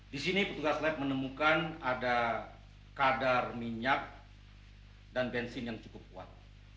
di sini petugas lab menemukan ada kadar minyak dan bensin yang cukup kuat